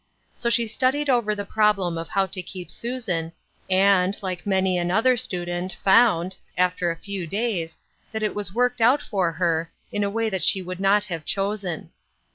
So she studied over the problem of how to keep Susan, and, like many another stu dent, found, after a few days, that it was worked out for her, in a way that she would not have chosen.